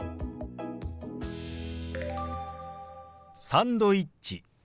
「サンドイッチ」。